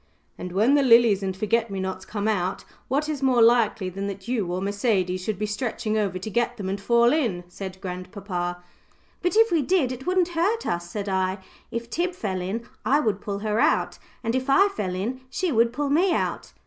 "And when the lilies and forget me nots come out, what is more likely than that you or Mercedes should be stretching over to get them and fall in," said grandpapa. "But if we did it wouldn't hurt us," said I. "If Tib fell in, I would pull her out, and if I fell in, she would pull me out."